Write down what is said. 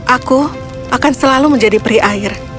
aku akan selalu menjadi peri air